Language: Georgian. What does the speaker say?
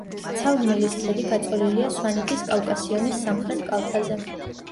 ცალგმილის ქედი გაწოლილია სვანეთის კავკასიონის სამხრეთ კალთაზე.